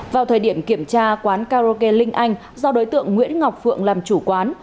vào thời điểm kiểm tra quán karaoke linh anh do đối tượng nguyễn ngọc phượng làm chủ quán